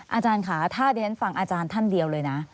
อาจารย์ค่ะถ้าดิฉันฟังอาจารย์ท่านเดียวเลยนะ